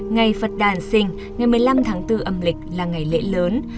ngày phật đàn sinh ngày một mươi năm tháng bốn âm lịch là ngày lễ lớn